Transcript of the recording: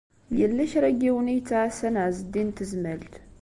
Yella kra n yiwen i yettɛassan Ɛezdin n Tezmalt.